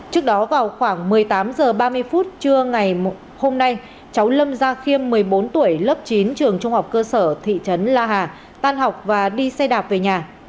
trước đó vào khoảng một mươi tám h ba mươi phút trưa ngày hôm nay cháu lâm gia khiêm một mươi bốn tuổi lớp chín trường trung học cơ sở thị trấn la hà tan học và đi xe đạp về nhà